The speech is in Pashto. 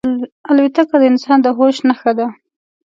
الوتکه د انسان د هوش نښه ده.